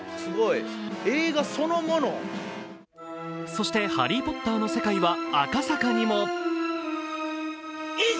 そして、「ハリー・ポッター」の世界は赤坂にも。